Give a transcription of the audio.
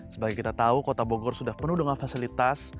sebagai kita tahu kota bogor sudah penuh dengan fasilitas